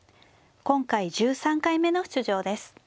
今回１３回目の出場です。